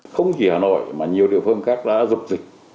không chỉ hà nội mà nhiều địa phương khác đã dục dịch